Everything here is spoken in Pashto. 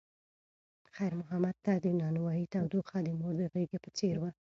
خیر محمد ته د نانوایۍ تودوخه د مور د غېږې په څېر وه.